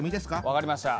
分かりました。